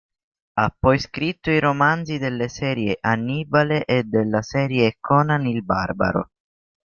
Ha poi scritto i romanzi delle serie "Annibale" e della serie "Conan il barbaro".